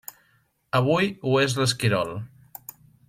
Avui ho és l'Esquirol.